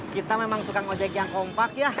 kita memang suka ngojek yang kompak ya